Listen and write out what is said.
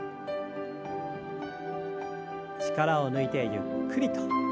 力を抜いてゆっくりと。